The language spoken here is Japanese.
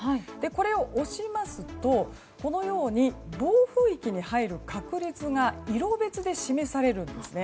これを押しますと暴風域に入る確率が色別で示されるんですね。